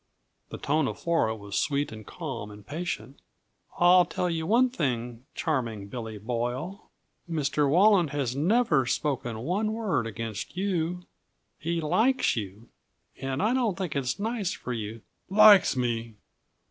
The tone of Flora was sweet and calm and patient. "I'll tell you one thing, Charming Billy Boyle, Mr. Walland has never spoken one word against you. He he likes you, and I don't think it's nice for you " "Likes me!